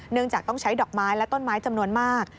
จากต้องใช้ดอกไม้และต้นไม้จำนวนมาก